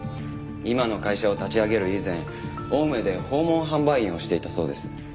今の会社を立ち上げる以前青梅で訪問販売員をしていたそうです。